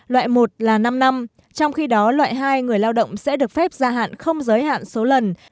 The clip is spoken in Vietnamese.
loại một là năm năm trong khi đó loại hai người lao động sẽ được phép gia hạn không giới hạn số lần